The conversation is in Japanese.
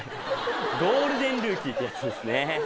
ゴールデンルーキーってやつですね。